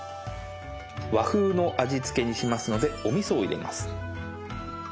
和風の味付けにしますのでおみそを入れます。